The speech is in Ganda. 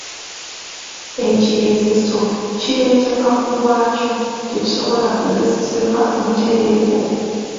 Ekigezeso, kireetebwa ku bwakyo tekisobola kugezesebwa butereevu.